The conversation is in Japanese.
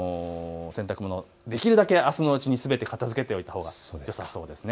できるだけあすのうちにすべて片づけておくとよさそうですね。